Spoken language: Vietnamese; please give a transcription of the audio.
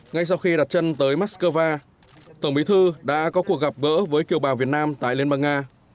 ngay sau khi đặt chân tới moscow tổng bí thư đã có cuộc gặp gỡ với kiều bào việt nam tại liên bang nga